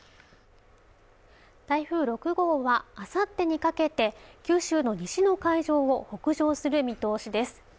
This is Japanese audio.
台風６号はあさってにかけて九州の西の海上を北上する見通しです